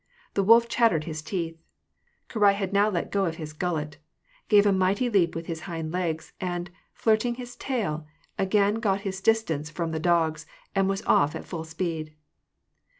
The wolf chattered his teeth — Karai had now let go of his gullet — gave a mighty leap with his hind legs, and, flirting his tail, again got his distance from the dogs, and was off at full speed.